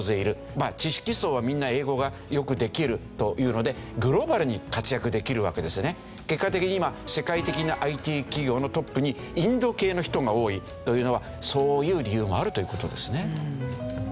知識層はみんな英語がよくできるというので結果的に今世界的なＩＴ企業のトップにインド系の人が多いというのはそういう理由もあるという事ですね。